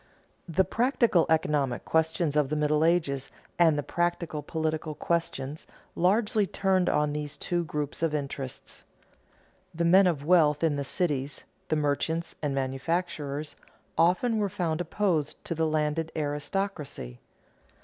_ The practical economic questions of the Middle Ages and the practical political questions largely turned on these two groups of interests. The men of wealth in the cities, the merchants and manufacturers, often were found opposed to the landed aristocracy.